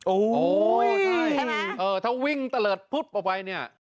โอ้โหใช่ถ้าวิ่งตะเลิศพึบออกไปเนี่ย